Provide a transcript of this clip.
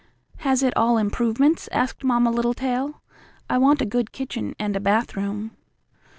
"Has it all improvements?" asked Mamma Littletail. "I want a good kitchen and a bathroom."